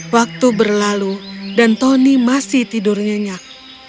waktu berlalu dan tony masih tidur nyenyak